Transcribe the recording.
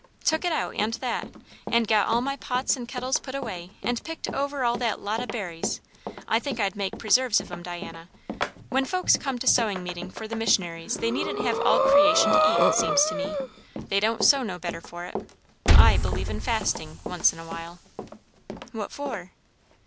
"Took it out, and that; and got all my pots and kettles put away; and picked over all that lot o' berries, I think I'd make preserves of 'em, Diana; when folks come to sewing meeting for the missionaries they needn't have all creation to eat, seems to me. They don't sew no better for it. I believe in fasting, once in a while." "What for?"